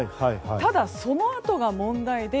ただ、そのあとが問題で。